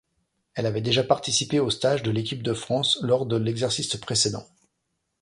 Elle avait déjà participé aux stages de l'équipe de France lors de l'exercice précédent.